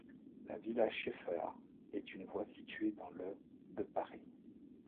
La villa Scheffer est une voie située dans le de Paris.